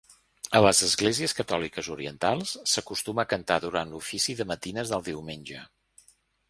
A les Esglésies Catòliques Orientals s'acostuma a cantar durant l'ofici de matines del diumenge.